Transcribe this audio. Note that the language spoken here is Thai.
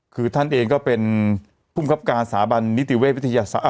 คือท่านเองก็เป็นผู้มีความการสาบันนิติเวชวิทยาอ่า